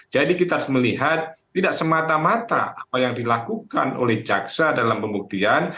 jadi kita harus melihat tidak semata mata apa yang dilakukan oleh jaksa dalam pembuktian